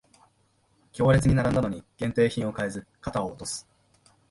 行列に並んだのに限定品を買えず肩を落とす